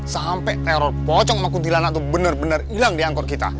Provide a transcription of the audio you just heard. sampai teror pocong aku dilana itu benar benar hilang di angkot kita